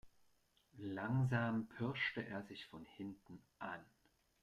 Langsam pirschte er sich von hinten an.